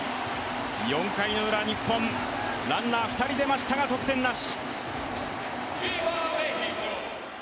４回のウラ、日本、ランナーが２人出ましたが、得点なし。